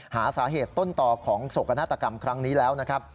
หาสาเหตุต้นต่อของโศกนาฏกรรมครั้งนี้แล้วนะครับ